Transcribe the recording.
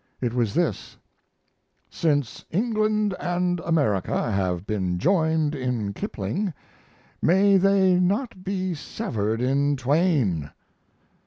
It was this: "Since England and America have been joined in Kipling, may they not be severed in Twain."